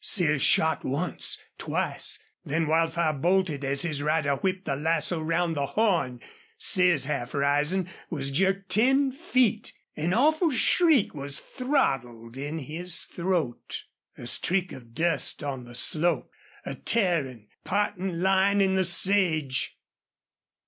Sears shot once, twice. Then Wildfire bolted as his rider whipped the lasso round the horn. Sears, half rising, was jerked ten feet. An awful shriek was throttled in his throat. A streak of dust on the slope a tearing, parting line in the sage!